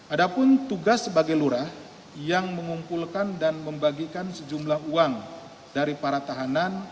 ada pun tugas sebagai lurah yang mengumpulkan dan membagikan sejumlah uang dari para tahanan